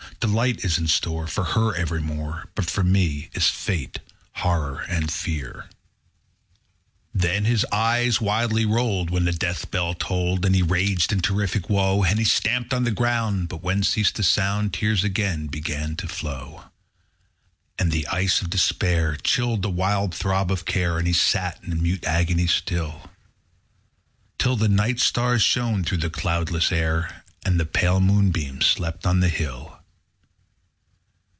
'Delight is in store For her evermore; But for me is fate, horror, and fear.' _25 5. Then his eyes wildly rolled, When the death bell tolled, And he raged in terrific woe. And he stamped on the ground, But when ceased the sound, _30 Tears again began to flow. 6. And the ice of despair Chilled the wild throb of care, And he sate in mute agony still; Till the night stars shone through the cloudless air, _35 And the pale moonbeam slept on the hill.